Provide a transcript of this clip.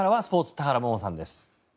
田原萌々さんです。